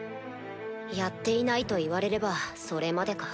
やっていないと言われればそれまでか。